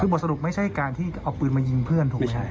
คือบทสรุปไม่ใช่การที่เอาปืนมายิงเพื่อนถูกไหม